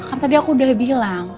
kan tadi aku udah bilang